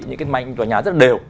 những cái manh của nhà rất là đều